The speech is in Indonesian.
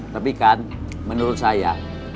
tapi kan menurut saya